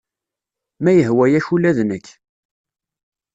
Ma yehwa-yak ula d nekk.